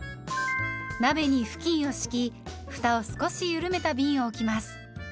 鍋に布巾を敷きふたを少しゆるめたびんを置きます。